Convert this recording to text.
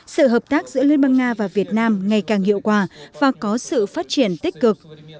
sự hợp tác giữa liên bang nga và việt nam ngày càng hiệu quả và có sự phát triển tích cực